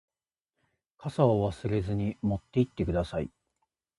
傘を忘れずに持って行ってください。